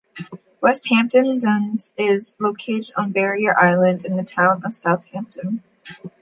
West Hampton Dunes is located on a barrier island in the Town of Southampton.